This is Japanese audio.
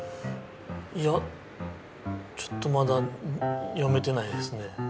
いやちょっとまだ読めてないですね。